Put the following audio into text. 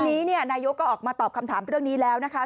ทีนี้นายกก็ออกมาตอบคำถามเรื่องนี้แล้วนะคะ